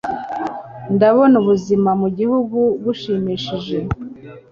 Ndabona ubuzima mu gihugu bushimishije